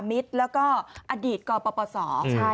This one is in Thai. ๓มิตรแล้วก็อดีตก่อปปสอง